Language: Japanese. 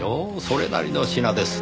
それなりの品です。